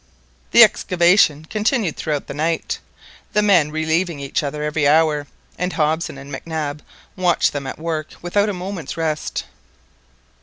The excavation continued throughout the night, the men relieving each other every hour, and Hobson and Mac Nab watched them at work without a moment's rest.